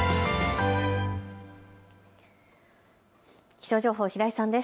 気象情報、平井さんです。